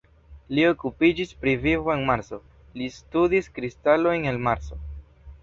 Li okupiĝis pri vivo en Marso, li studis kristalojn el Marso.